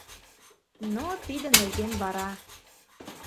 Но тидын нерген вара.